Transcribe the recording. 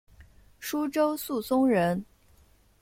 舒州宿松人。